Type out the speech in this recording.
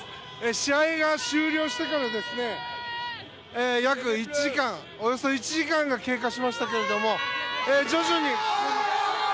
試合が終了してからおよそ１時間が経過しましたが徐々に。